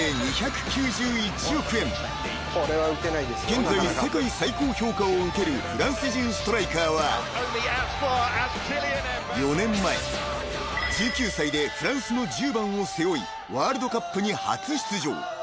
［現在世界最高評価を受けるフランス人ストライカーは４年前１９歳でフランスの１０番を背負いワールドカップに初出場］